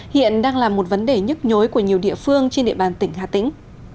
hiện đang là một vấn đề nhức nhối của nhiều địa phương trên địa bàn tỉnh hà tĩnh